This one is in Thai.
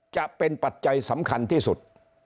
ปัจจัยสำคัญที่สุด